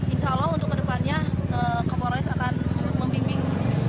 insya allah untuk ke depannya kapolres akan membimbing